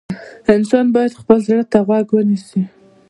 انسان باید خپل زړه ته غوږ ونیسي.